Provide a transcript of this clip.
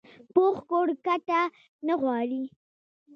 پوخ کور کډه نه غواړي